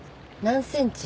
何センチ？